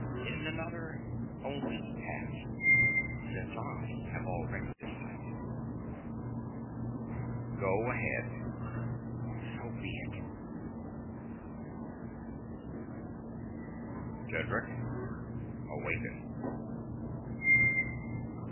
In another, only half, since I have already decided._" "Go ahead." "So be it." "Tedric, awaken!"